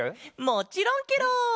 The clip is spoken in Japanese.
もちろんケロ！